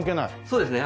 そうですね。